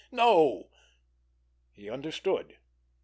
No! He understood.